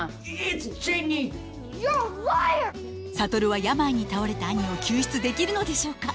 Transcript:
諭は病に倒れた兄を救出できるのでしょうか。